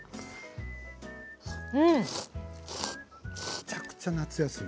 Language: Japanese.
めちゃくちゃ夏休み。